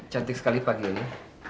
cantik sekali pagi ini